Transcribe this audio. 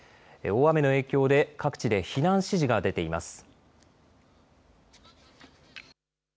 大雨の影響で各地で避難指示が出ています。